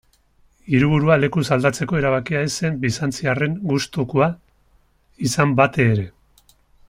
Hiriburua lekuz aldatzeko erabakia ez zen bizantziarren gustukoa izan batere.